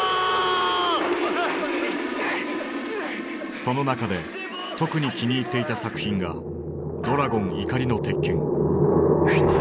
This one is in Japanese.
その中で特に気に入っていた作品が「ドラゴン怒りの鉄拳」。